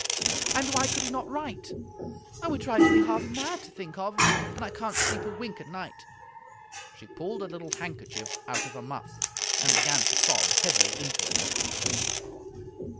And why could he not write? Oh ! it drives me half mad to think of, and I can't sleep a wink at night/* She pulled a little handkerchief out of her muff, and began to sob heavily into it.